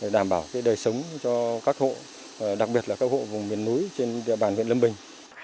đảm bảo đời sống cho các hộ đặc biệt là các hộ vùng miền núi trên địa bàn huyện lâm bình